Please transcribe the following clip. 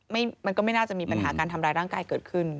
มันก็ไม่น่าจะมีปัญหาการทำร้ายร่างกายเกิดขึ้น